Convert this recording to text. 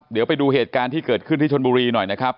เดี๋ยวไปดูเหตุการณ์ที่เกิดขึ้นที่ชนบุรีหน่อยนะครับ